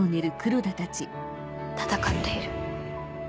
戦っている。